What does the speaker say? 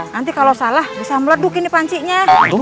nanti kalau salah bisa meleduk ini pancinya